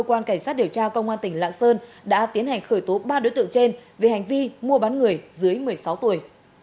cơ quan cảnh sát điều tra công an tỉnh lạng sơn đã tiến hành khởi tố ba đối tượng trên về hành vi mua bán người dưới một mươi sáu tuổi